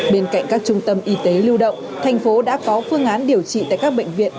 bên cạnh các trung tâm y tế lưu động thành phố đã có phương án điều trị tại các bệnh viện